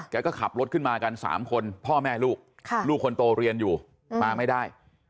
ก็ขับรถขึ้นมากัน๓คนพ่อแม่ลูกลูกคนโตเรียนอยู่มาไม่ได้